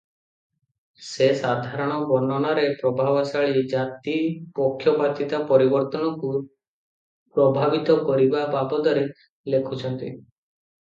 ସେ ସାଧାରଣ ବର୍ଣ୍ଣନାରେ ପ୍ରଭାବଶାଳୀ ଜାତି-ପକ୍ଷପାତିତା ପରିବର୍ତ୍ତନକୁ ପ୍ରଭାବିତ କରିବା ବାଦରେ ଲେଖିଛନ୍ତି ।